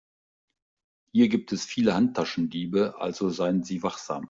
Hier gibt es viele Handtaschendiebe, also seien Sie wachsam.